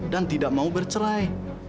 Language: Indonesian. dan tidak mau bercerai